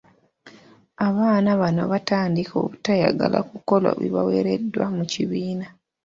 Abaana bano baatandika obutayagala kukola bibaweereddwa mu kibiina.